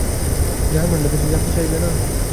জার্মানরা দেখলে জানতে চাইবে না?